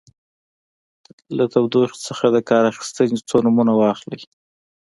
له تودوخې څخه د کار اخیستنې څو نومونه واخلئ.